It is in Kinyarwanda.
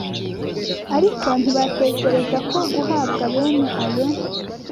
Ariko ntibatekereza ko guhabwa bene ayo